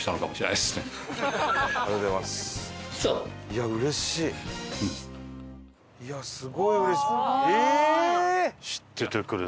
いやうれしいです。